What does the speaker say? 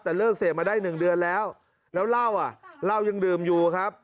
แต่เลิกเสพมาได้๑เดือนแล้วแล้วลาวยังดื่มอยู่ครับ